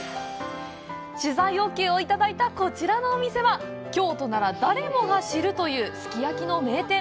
取材オーケーをいただいたこちらのお店は京都なら誰もが知るというすき焼きの名店。